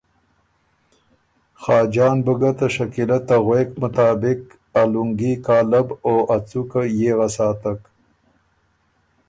خاجان بُو ګۀ ته شکیلۀ ته غوېک مطابق ا لُونګي کالب او ا څُوکه ييغه ساتک،